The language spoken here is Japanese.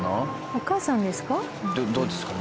お母さんですか？